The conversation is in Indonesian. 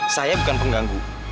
saya bukan pengganggu